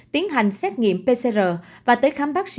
tiến hành xét nghiệm pcr và tới khám bác sĩ